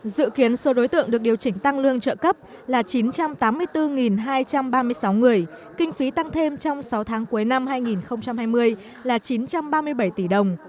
dự kiến số đối tượng được điều chỉnh tăng lương trợ cấp là chín trăm tám mươi bốn hai trăm ba mươi sáu người kinh phí tăng thêm trong sáu tháng cuối năm hai nghìn hai mươi là chín trăm ba mươi bảy tỷ đồng